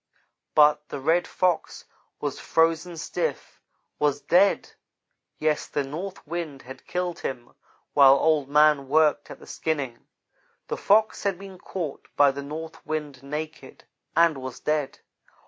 "But the Red Fox was frozen stiff was dead. Yes, the north wind had killed him while Old man worked at the skinning. The Fox had been caught by the north wind naked, and was dead.